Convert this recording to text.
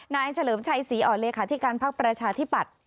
นายเฉลิมชัยศรีอ๋อเลขาธิการภาคประชาธิบัติ